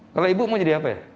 kalau ibu mau jadi apa ya